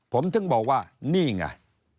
ผมถึงบอกว่านี่ไง